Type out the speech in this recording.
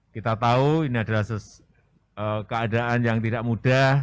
kita tahu ini adalah keadaan yang tidak mudah